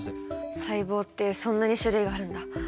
細胞ってそんなに種類があるんだ。